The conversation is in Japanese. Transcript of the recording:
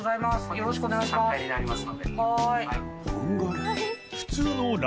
よろしくお願いします。